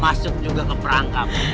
masuk juga ke perangkap